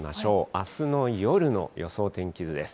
あすの夜の予想天気図です。